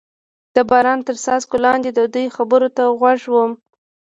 د باران تر څاڅکو لاندې د دوی خبرو ته غوږ ووم.